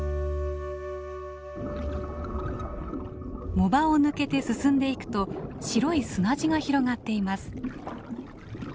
藻場を抜けて進んでいくと白い砂地が広がっています。